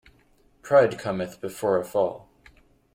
Pride cometh before a fall.